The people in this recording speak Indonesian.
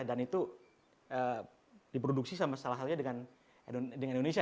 dan itu diproduksi sama salah satunya dengan indonesia